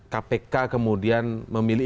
kpk kemudian memilih